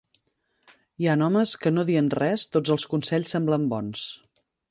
Hi han homes que no dient res tots els consells semblen bons